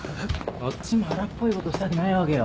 こっちも荒っぽいことしたくないわけよ。